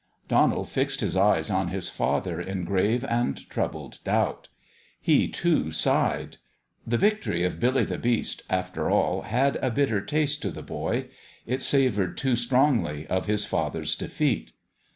Donald fixed his eyes on his father in grave and troubled doubt. He, too, sighed. The victory of Billy the Beast, after all, had a bitter taste to the boy. It savoured too strongly of his father's defeat.